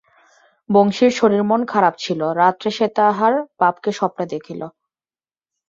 বংশীর শরীর মন খারাপ ছিল, রাত্রে সে তাহার বাপকে স্বপ্ন দেখিল।